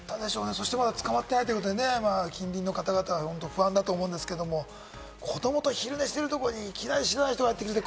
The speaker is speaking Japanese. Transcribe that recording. そして、まだ捕まっていないということでね、近隣の方々、不安だと思うんですけれども、子どもと昼寝してるところにいきなり知らない人が入ってきて。